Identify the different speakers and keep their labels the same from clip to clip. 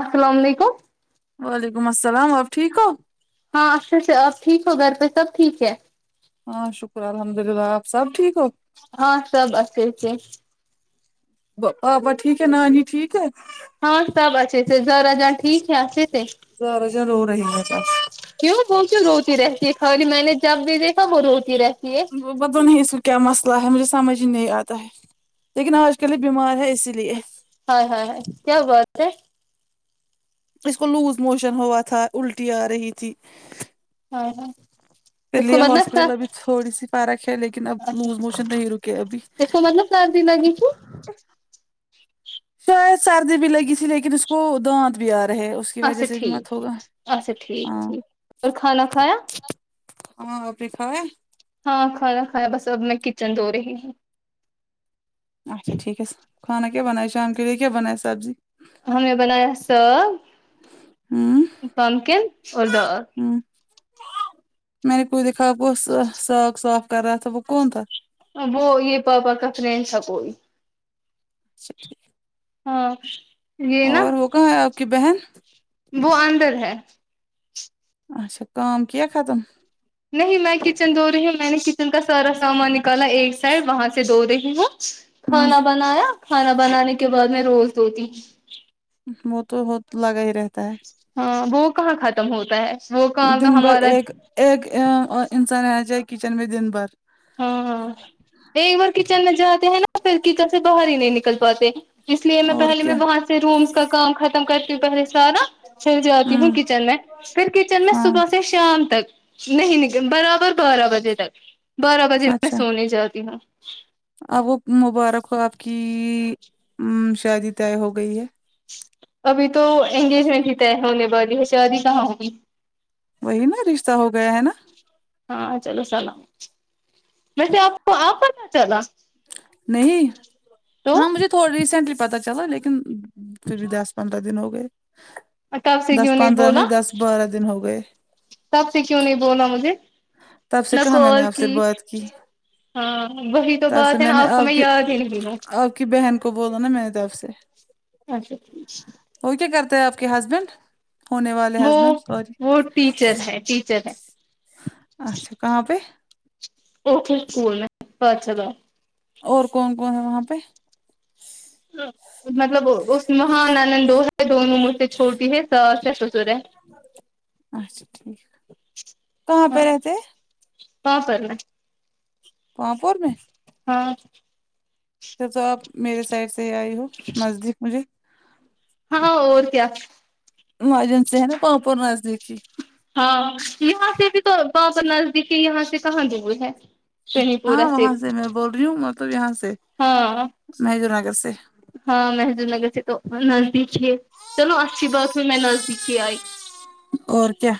Speaker 1: السلام علیکم
Speaker 2: وعلیکم السلام آپ ٹھیک ہو
Speaker 1: ہاں اچھا اچھا اب ٹھیک ہو گھر پے سب ٹھیک ہے
Speaker 2: ہاں شکر الحمد للہ اپ سب ٹھیک ہو
Speaker 1: ہاں سب اچھے سے
Speaker 2: با پاپا ٹھیک ہے نانی ٹھیک ہے
Speaker 1: ہاں سب اچھے سے زرا جان ٹھیک ہے اچھے سے
Speaker 2: زارا جان رو رہی کب سے
Speaker 1: کیوں وہ کیوں روتی رہتی ہے کھالی میں نے جب بھی دیکھا وہ روتی رہتی ہے
Speaker 2: وہ پتا نہیں اس کو کیا مسئلہ ہے مجھے سمجھ ہی نہیں اتا ہے لیکن اج کل یے بیمار ہے اسی لیے
Speaker 1: ہائے ہائے ہاے کیا ہوا اسے
Speaker 2: اس کو لوز موشن ہوا تھا الٹی ارہی تھی
Speaker 1: ہاں ہاں
Speaker 2: پے لیے ہاسپٹل ابھی تھوڑی سی فارق ہے لیکن اب
Speaker 1: اچھا
Speaker 2: لوز موشن نہیں رکے ابھی
Speaker 1: اس کو مطلب سردی لگی تھی
Speaker 2: شاید سردی بھی لگی تھی لیکن اس کو دانت بھی آ رہے اس کی وجہ
Speaker 1: اچھا
Speaker 2: سے بھی
Speaker 1: ٹھیک
Speaker 2: مت ہوگا
Speaker 1: اچھا ٹھیک
Speaker 2: ہاں
Speaker 1: ٹھیک اور کھانا کھایا
Speaker 2: ہاں ابھی کھائے
Speaker 1: ہاں کھانا کھایا بس اب میں کچن دھو رہی ہو
Speaker 2: اچھا ٹھیک ہے کھانا کیا بنائے شام کے لیےکیا بنائے سبزی
Speaker 1: ہم نے بنایا سگ
Speaker 2: ہوں
Speaker 1: پمکین اور دال
Speaker 2: ہوں میں نے کوئی دیکھا صاف صاف کر رہا تھا وہ کون تھا
Speaker 1: ہاں وہ یے پاپا کا فرینڈ تھا کوئی
Speaker 2: سب ٹھیک
Speaker 1: ہاں یہ نا
Speaker 2: اور وہ کہاں ہے آپ کی بہن
Speaker 1: وہ اندر ہے
Speaker 2: اچھا کام کیا ختم
Speaker 1: نہیں میں کچن دو رہی ہوں میں نے کچن کا سارا سامان نکالا ایک سائڈ وہاں سے دو رہی ہوں
Speaker 2: ہوں
Speaker 1: کھانا بنایا کھانا بنانے کے بعد میں روز دھوتی
Speaker 2: اس میں تو وقت لگا ہی رہتا ہے
Speaker 1: ہاں وہ کہاں ختم ہوتا ہے وہ کام تو
Speaker 2: دن بھر
Speaker 1: ہمارا
Speaker 2: ایک ایک انسان آنا چاہے کچن میں دن بھر
Speaker 1: ہاں ایک بار کچن میں جاتے ہیں نا پھر کچن سے باہر ہی نہیں نکل پاتے اس لیے میں
Speaker 2: اور
Speaker 1: پہلے میں
Speaker 2: کیا
Speaker 1: وہاں سے رومس کا کام ختم کرتی ہوں پہلے سارا پھر جاتی ہوں کچن میں پھر کچن میں
Speaker 2: ہاں
Speaker 1: صبح فھر شام تک نہیں نکل برابر بارہ بجے تک بارہ بجے میں سونے جاتی ہوں
Speaker 2: آ وہ مبارک آپ کی شادی طے ہو گئی ہے
Speaker 1: ابھی تو انگیجمنٹ ہی طے ہونے والی ہے شادی کہاں ہوگی
Speaker 2: وہی نا رشتہ ہو گیا ہے نا
Speaker 1: ہاں چلو السلام ویسے آپ کو آپ پتا چلا
Speaker 2: نہیں ہاں مجھے تو ریسینٹلی پتا چلا لیکن پھر بھی دس پندرہ دن ہو گئے
Speaker 1: تب سے
Speaker 2: دس
Speaker 1: کیوں
Speaker 2: پندرہ
Speaker 1: بولا
Speaker 2: نہیں دس بارہ دن ہو گئے
Speaker 1: تب سے کیوں نہیں بولا مجھے
Speaker 2: تب سے
Speaker 1: نہ
Speaker 2: کہاں میں نے
Speaker 1: کول
Speaker 2: آپ سے
Speaker 1: کی
Speaker 2: بات کی
Speaker 1: ہاں وہی تو
Speaker 2: تب سے
Speaker 1: بات ہے
Speaker 2: میں
Speaker 1: نا
Speaker 2: نے
Speaker 1: کو
Speaker 2: آپ کی
Speaker 1: یاد ہی نہیں ہوں
Speaker 2: آپ کی بہن کو بولا نا میں نے تب سے
Speaker 1: اچھا ٹھیک
Speaker 2: اور کیا کرتا ہے آپ کے ہسبینڈ ہونے والے
Speaker 1: وہ
Speaker 2: ہسبینڈ سوری
Speaker 1: وہ ٹیچر ہے ٹیچر ہے
Speaker 2: اچھا کہاں پے
Speaker 1: اوکے اسکول میں پاٹشالہ
Speaker 2: اور کون کون ہے وہاں پے
Speaker 1: مطلب اس مہان نند دو ہے دونوں مجھ سے چھوٹی ہے ساس ہے سسرے ہے
Speaker 2: اچھا ٹھیک کہاں پے رہتے ہے
Speaker 1: کہاں پر
Speaker 2: پاپور میں
Speaker 1: ہاں
Speaker 2: پھر تو آپ میرے سائڈ سے ہی آئی ہو نزدیک مجھے
Speaker 1: ہاں اور کیا
Speaker 2: ماجم سے ہیں نا پاپور نزدیک
Speaker 1: ہاں یہاں سے بھی تو پاپر نزدیک ہے یہاں سے کہاں دور ہے شنی
Speaker 2: ہاں
Speaker 1: پورہ
Speaker 2: وہاں سے میں بول رہی ہوں مطلب یہاں سے
Speaker 1: ہاں
Speaker 2: مہجور نگر سے
Speaker 1: ہاں محبوب نگر سے تو نزدیک ہی ہے چلو اچھی بات ہے میں نزدیک ہی آئی
Speaker 2: اور کیا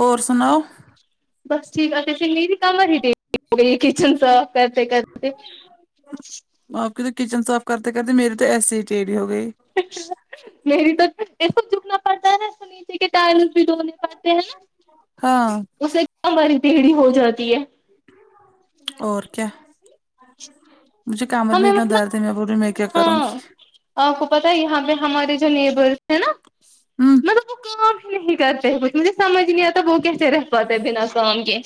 Speaker 2: اور سناؤ
Speaker 1: بس ٹھیک ہے سے میری کمر ہی [unintelligible] کچن صاف کرتے کرتے
Speaker 2: آپ کی تو کچن صاف کرتے کرتے میرے تو ایسے ہی دیری ہو گئی
Speaker 1: میری تو سب جکنا پڑتا ہے نیچے کے ٹائرنس بھی دھونے پڑتے ہیں
Speaker 2: ہاں
Speaker 1: اس سے کمر ہی ٹیڑھی ہو جاتی ہے
Speaker 2: اور کیا مجھے کمر میں
Speaker 1: ہمیں
Speaker 2: اتنا
Speaker 1: مطلب
Speaker 2: درد ہے میں بولی میں کیا کروں گی
Speaker 1: ہاں آپ کو پتہ ہے یہاں پے ہمارے جو نیبرس ہیں نا
Speaker 2: ہوں
Speaker 1: مطلب وہ کام نہیں کرتے کچھ مجھے سمجھ نہیں آتا وہ کیسے رہ پاتے بنا کام کے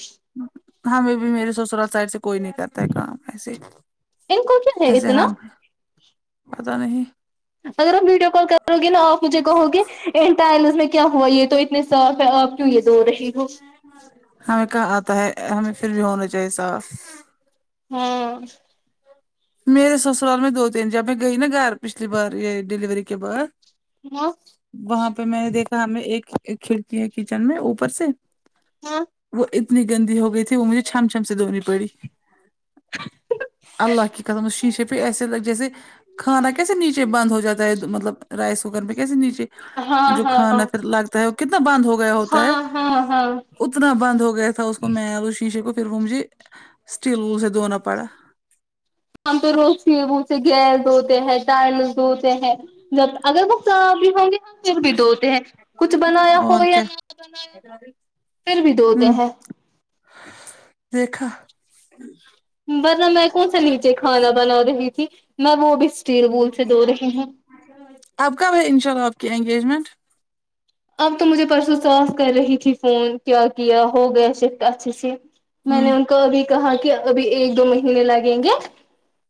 Speaker 2: ہمیں بھی میرے سسرال سائڈ سے کوئی نہیں کرتا ہے کام ایسے
Speaker 1: ان کو کیا ہے
Speaker 2: جیسے
Speaker 1: اتنا
Speaker 2: ہم پتہ نہیں
Speaker 1: اگر آپ ویڈیو کال کرو گے نا مجھے کہو گے ایک ٹائلس میں کیا ہوا یے تو اتنے صاف ہے آپ کیوں یے دھو رہی ہو
Speaker 2: ہمیں کہاں آتا ہے ہمیں پھر بھی ہونا چاہیے صاف
Speaker 1: ہاں
Speaker 2: میرے سسرال میں دو تین جب میں گئی نا گھر پچھلی بار یے ڈیلیوری کے بعد
Speaker 1: ہاں
Speaker 2: وہاں پے میں دیکھا ہمیں ایک کھڑکی ہے کچن میں اوپر سے
Speaker 1: ہاں
Speaker 2: وہ اتنی گندی ہو گئی تھی وہ مجھے چھم چھم سے دھونی پڑی اللہ کی قسم شیشے پھر ایسے لگ جیسے کھانا کیسے نیچے بند ہو جاتا ہے مطلب رائس کوکر میں کیسے نیچے
Speaker 1: ہاں ہاں
Speaker 2: جو
Speaker 1: ہاں
Speaker 2: کھانا
Speaker 1: ہاں
Speaker 2: پھر لگتا ہے وہ کتنا بند ہو گیا ہوتا ہے
Speaker 1: ہاں ہاں ہاں
Speaker 2: اتنا بند ہو گیا تھا اس کو میں اس شیشے کو پھر وہ مجھے اسٹیل [unintelligible] سے دھونا پڑا
Speaker 1: ہم تو روز ہی اس سے گیس دھوتے ہیں ٹائلس دھوتے ہیں جب اگر وہ کام بھی بڑھ گیا پھر بھی دھوتے ہیں کچھ بنایا ہو
Speaker 2: اور
Speaker 1: یا
Speaker 2: کیا
Speaker 1: نہیں بنایا ہو پھر بھی دھوتے
Speaker 2: ہوں
Speaker 1: ہیں
Speaker 2: دیکھا
Speaker 1: ورنہ میں کون سا نیچے کھانا بنا رہی تھی میں وہ بھی اسٹیل بول سے دھو رہی ہوں
Speaker 2: اب کب ہے انشاء اللہ آپ کی انگیجمنٹ
Speaker 1: اب تو مجھے پرسوں ساس کر رہی تھی فون کیا کیا ہو گیا شفٹ اچھے سے میں نے
Speaker 2: ہوں
Speaker 1: ان کو ابھی کہا کی ابھی ایک دو مہینے لگیں گے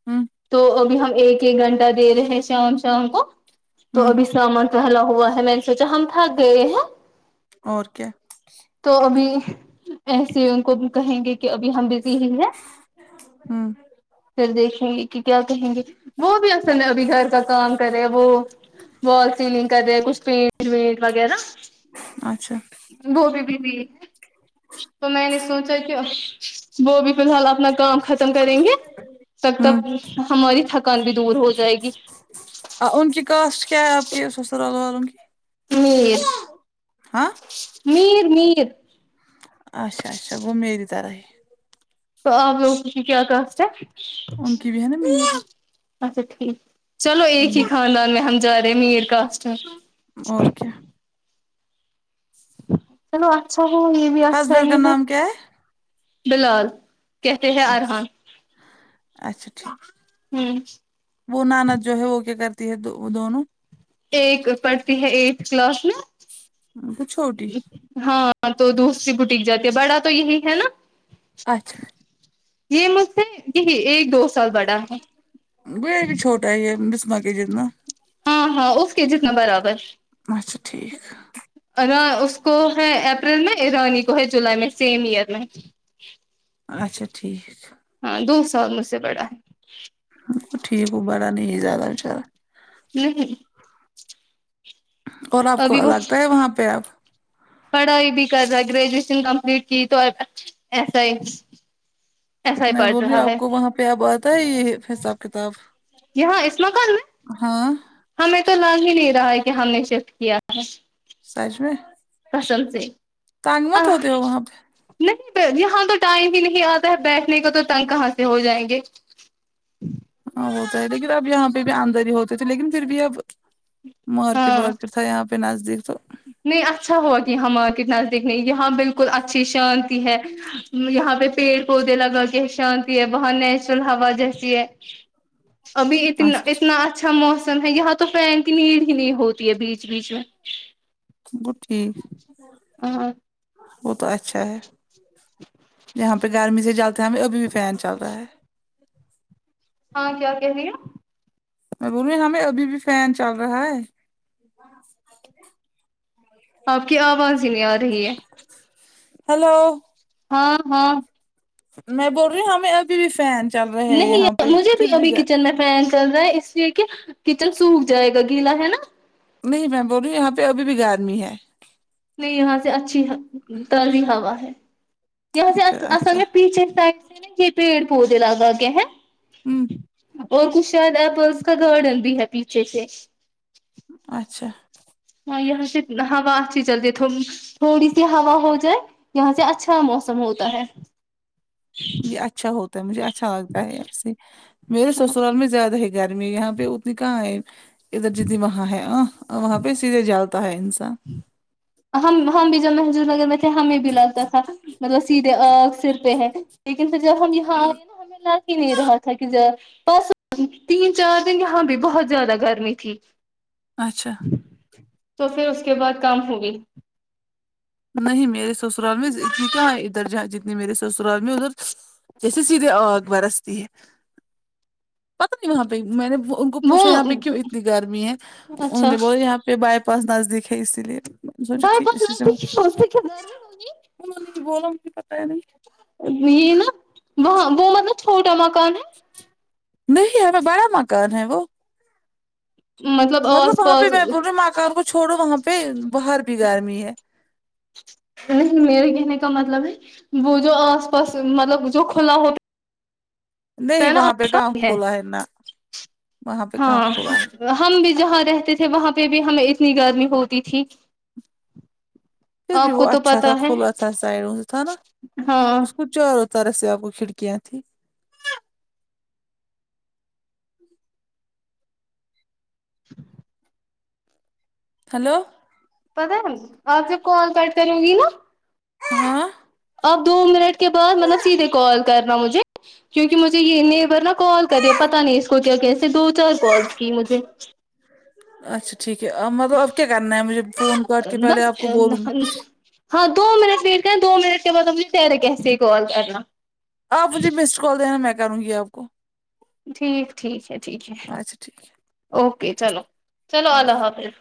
Speaker 2: ہوں
Speaker 1: تو ابھی ہم ایک ایک گھنٹہ دے رہے ہیں شام شام کو تو
Speaker 2: ہوں
Speaker 1: ابھی سامن پھیلا ہوا ہے میں نے سوچا ہم تھک گئے ہیں
Speaker 2: اور کیا
Speaker 1: تو ابھی ایسے ان کو بھی کہیں گے کہ ابھی ہم بزی ہی ہیں
Speaker 2: ہوں
Speaker 1: پھر دیکھیں گے کہ کیا کہیں گے وہ بھی اصل میں ابھی گھر کا کام کرے وہ وال سیلنگ کر رہے کچھ پینٹ وینٹ وغیرہ
Speaker 2: اچھا
Speaker 1: وہ بھی بھی بھی تو میں نے سوچا کہ وہ بھی فی الحال اپنا کام ختم کریں گے تب تک
Speaker 2: ہوں
Speaker 1: ہماری تھکان بھی دور ہو جائے گی
Speaker 2: آ ان کی کاسٹ کیا ہے آپ کی سسرال والوں کی
Speaker 1: میر
Speaker 2: ہاں
Speaker 1: میر میر
Speaker 2: اچھا اچھا وہ میری طرح ہے
Speaker 1: تو آپ لوگوں کی کیا کاسٹ ہے
Speaker 2: ان کے بھی ہے نا
Speaker 1: اچھا ٹھیک چلو ایک ہی خاندان میں ہم رہے میر کاسٹ میں
Speaker 2: اور کیا
Speaker 1: چلو اچھا یے بھی اچھا
Speaker 2: ہسبینڈ
Speaker 1: ہی
Speaker 2: کا
Speaker 1: ہے
Speaker 2: نام کیا
Speaker 1: بلال کہتے ہیں
Speaker 2: اچھا
Speaker 1: ارحان
Speaker 2: اچھا ٹھیک
Speaker 1: ہمم
Speaker 2: وہ ناند جو ہے وہ کیا کرتی ہے دونوں
Speaker 1: ایک پڑھتی ہے ایٹتھ کلاس میں
Speaker 2: وہ چھوٹی
Speaker 1: ہاں ہاں تو دوسری بٹک جاتی ہے بڑا تو یہی ہے نا
Speaker 2: اچھا
Speaker 1: یے مجھ سے یہی ایک دو سال بڑا ہے
Speaker 2: ویری چھوٹا ہے یے مزبا کے جتنا
Speaker 1: ہاں ہاں اس کے جتنا برابر
Speaker 2: اچھا ٹھیک
Speaker 1: آرا اس کو ہے اپریل میں رانی کو ہے جولائی میں سیم ایئر میں ایک
Speaker 2: اچھا ٹھیک
Speaker 1: ہاں دو سال مجھ سے بڑا ہے
Speaker 2: ٹھیک ہو بڑا نہیں زیادہ چا
Speaker 1: [unintelligible]
Speaker 2: اور آپ کو
Speaker 1: ابھی وہ
Speaker 2: لگتا ہے وہاں پے آپ
Speaker 1: پڑھائی بھی کر رہا ہے گریجویشن کمپلیٹ کی تو ایسا ہی ایسا ہی
Speaker 2: میں
Speaker 1: پڑھ
Speaker 2: بول رہی ہوں
Speaker 1: رہا
Speaker 2: آپ
Speaker 1: ہے
Speaker 2: کو وہاں پے اب آتا ہے یے حساب کتاب
Speaker 1: یہاں اس مکان میں
Speaker 2: ہاں
Speaker 1: ہمیں تو لگ ہی نہیں رہا ہے کی ہم نے شفٹ کیا ہے
Speaker 2: سچ میں
Speaker 1: قسم سے
Speaker 2: تانگ مت ہوتے ہو وہاں پے
Speaker 1: نہیں یہاں تو ٹائم ہی نہیں آتا ہے بیٹھنے کا تو تنگ کہاں سے ہو جائیں گے
Speaker 2: ہاں ہوتا ہے لیکن اب یہاں پے بھی اندری ہوتے تھے لیکن پھر بھی اب مارکیٹ
Speaker 1: ہاں
Speaker 2: وارکیٹ تھا یہاں پے نزدیک تو
Speaker 1: نہیں اچھا ہوا کی یہاں مارکٹ نزدیک نہیں یہاں بالکل اچھی شانتی ہے یہاں پے پیڑ پودے لگا کے شانتی ہے بہت نیچرل ہوا جیسی ہے ابھی اتنا اتنا اچھا موسم ہے یہاں تو فین کی نیڈ ہی نہیں ہوتی ہے بیچ بیچ میں
Speaker 2: بالکل ٹھیک
Speaker 1: ہاں
Speaker 2: وہ تو اچھا ہے جاں پے گرمی سے جلتے ہیں ہم ابھی بھی فین چل رہا ہے
Speaker 1: ہاں کیا کہے رہی ہیں
Speaker 2: میں بول رہی ہوں ہمیں ابھی بھی فین چل رہا ہے ہاں
Speaker 1: آپ کی آواز ہی نہیں آ رہی ہے
Speaker 2: ہیلو
Speaker 1: ہاں ہاں
Speaker 2: میں بول رہی ہوں ہمیں ابھی بھی فین چل رہے ہے
Speaker 1: نہیں
Speaker 2: یہاں پہ
Speaker 1: مجھے بھی
Speaker 2: پھر
Speaker 1: ابھی
Speaker 2: گ
Speaker 1: کچن میں فین چل رہا ہے اس لیے کہ کچن سوکھ جائے گا گیلا ہے نا
Speaker 2: نہیں میں بول رہ ہوں یہاں پے ابھی بھی گارمی ہے
Speaker 1: نہیں یہاں سے اچھی تازی ہوا ہے یہاں سے اصل
Speaker 2: اچھا
Speaker 1: میں پیچھے سایڈ میں پیڑ پودے لاگا کے ہے
Speaker 2: ہوں
Speaker 1: اور کچھ شاید ایپلز کا گارڈن بھی ہے پیچھے سے
Speaker 2: اچھا
Speaker 1: ہاں یہاں سے ہوا اچھی چل رہی ہے تھوڑی تھوڑی سی ہوا ہو جائے یہاں سے اچھا موسم ہوتا ہے
Speaker 2: یے اچھا ہوتا ہے مجھے اچھا لگتا ہے ایسے میرے سسرال میں زیادہ ہے گرمی یہاں پے اتنی کہاں ہے ادھر جتنی وہاں ہے ہاں اور وہاں پے اسی لیے جاتا ہے انسان
Speaker 1: ہم ہم بھی جب محدود نگر میں تھے ہمیں بھی لگتا تھا مطلب سیدھے آ سر پے ہے لیکن پھر جب ہم یہاں آئے نا ہمیں لاگ ہی نہیں رہا تھا کی بس تین چار دن یہاں بھی بہت زیادہ گرمی تھی
Speaker 2: اچھا
Speaker 1: تو پھر اس کے بعد کام ہو گئی
Speaker 2: نہیں میرے سسرال میں اتنی کہاں ادھر جہاں جتنی میرے سسرال میں ادھر جیسے سیدھے آگ برستی ہے پتہ نہیں وہاں پہ میں نے وہ انکو پوچھا یہاں پہ
Speaker 1: وہ
Speaker 2: کیوں اتنی گرمی ہے انہوں
Speaker 1: اچھا
Speaker 2: نے بولا یہاں پہ بائی پاس نزدیک ہے اسی لیے سوچا ٹھیک اسی سے
Speaker 1: [unintelligible]
Speaker 2: [inaudible]
Speaker 1: یہ نا وہاں وہ مطلب چھوٹا مکان ہے
Speaker 2: نہیں ہمیں بڑا مکان ہے وہ
Speaker 1: ہے
Speaker 2: مطلب
Speaker 1: آس
Speaker 2: وہاں پہ
Speaker 1: پاس
Speaker 2: میں بولریوں ماکان کو چھوڑو وہاں پہ باہر بھی گرمی ہے
Speaker 1: نہیں میرے کہنے کا مطلب ہے وہ جو آس پاس مطلب جو کھلا ہوتا
Speaker 2: نہیں
Speaker 1: ہے نا
Speaker 2: وہاں پہ
Speaker 1: آس
Speaker 2: گاؤں
Speaker 1: پاس
Speaker 2: کھولا ہے نا وہاں پہ کہاں
Speaker 1: ہاں
Speaker 2: کھلا ہے
Speaker 1: ہم بھی جہاں رہتے تھے وہاں پہ بھی ہمیں اتنی گرمی ہوتی تھی
Speaker 2: پھر بھی
Speaker 1: آپ کو
Speaker 2: وہ
Speaker 1: تو
Speaker 2: اچھا
Speaker 1: پتا
Speaker 2: سا
Speaker 1: ہے
Speaker 2: کھلا سا سائڈ وہ تھا نا
Speaker 1: ہاں
Speaker 2: چاروں طرح سے آپ کو کھڑکیاں تھی ہلو
Speaker 1: پتا نہیں آپ کا کال کٹ کرونگی نہ
Speaker 2: ہاں
Speaker 1: اب دو منٹ کے بعد مطلب سیدھے کال کرنا مجھے کیونکہ مجھے یہ نیبر نا کال کرے پتہ نہیں اس کو کیا کیسے دو چار کالس کی مجھے
Speaker 2: اچھا ٹھیک ہے مطلب اب کیا کرنا ہے مجھے فون کاٹ کے پہلے
Speaker 1: بس
Speaker 2: آپ کو بولوں گی
Speaker 1: ہاں دو منٹ ویٹ کر دو منٹ کے بعد ہم نے پہیرے کے واسطے ہی کال کرنا
Speaker 2: آپ مجھے مس کال دینا میں کروں گی آپ کو
Speaker 1: ٹھیک ٹھیک ہے ٹھیک ہے
Speaker 2: اچھا ٹھیک ہے
Speaker 1: اوکے چلو چلو اللہ حافظ